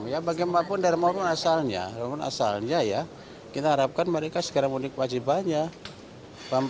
ya bagaimanapun dari maupun asalnya kita harapkan mereka segera menikmati banyak